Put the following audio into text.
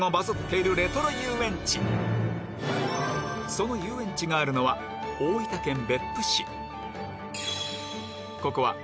その遊園地があるのは大分県別府市